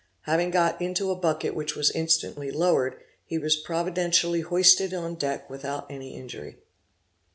Having got into a bucket which was instantly lowered, he was providentially hoisted on deck without any injury.